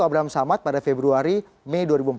abraham samad pada februari mei dua ribu empat belas